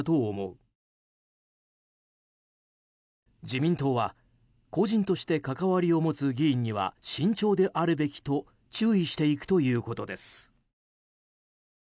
自民党は個人として関わりを持つ議員には慎重であるべきと注意していくということです。